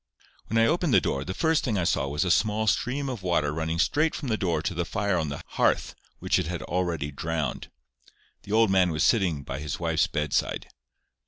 When I opened the door, the first thing I saw was a small stream of water running straight from the door to the fire on the hearth, which it had already drowned. The old man was sitting by his wife's bedside.